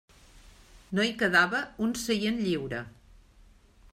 No hi quedava un seient lliure.